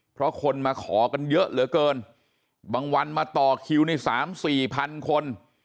เพราะคนมาขอกันเยอะเหลือเกินบางวันมาต่อคิวนี่๓๔พันคน